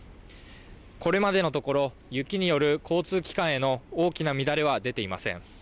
これまでのところ、雪による交通機関への大きな乱れは出ていません。